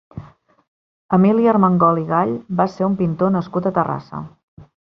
Emili Armengol i Gall va ser un pintor nascut a Terrassa.